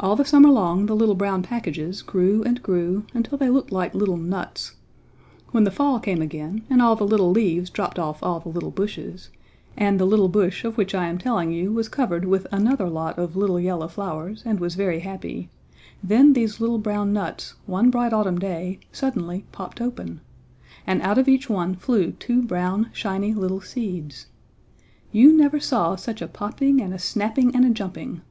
All the summer long the little brown packages grew and grew until they looked like little nuts. When the fall came again and all the little leaves dropped off all the little bushes, and the little bush of which I am telling you was covered with another lot of little yellow flowers and was very happy, then these little brown nuts, one bright autumn day, suddenly popped open! And out of each one flew two brown shiny little seeds. You never saw such a popping and a snapping and a jumping!